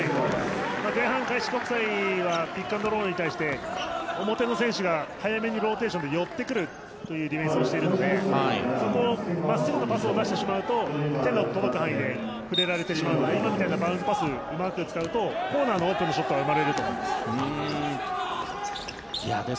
前半、開志国際はピック・アンド・ロールに対して表の選手が早めのローテーションで寄っていくというディフェンスをしているのでそこを真っすぐのパスを出してしまうと手が届く範囲で触れられてしまうので今みたいなパスを使うとコーナーが空くと思います。